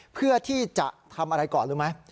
เพื่อที่จะทำอะไรก่อนรู้ไหม